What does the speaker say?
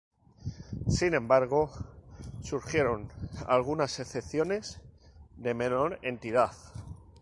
Sin embargo, surgieron algunas excepciones de menor entidad.